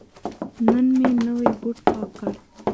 نن مې نوی بوټ پاک کړ.